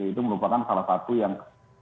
itu merupakan salah satu yang